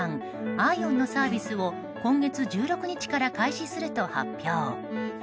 ＩＯＷＮのサービスを今月１６日から開始すると発表。